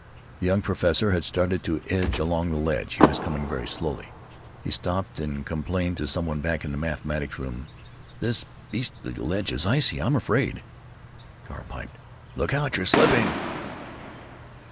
The young professor had started to edge along the ledge. He was coming very slowly. He stopped and complained to some one back in the mathematics room, "This beastly ledge is icy, I'm afraid." Carl piped: "Look out! Y're slipping!"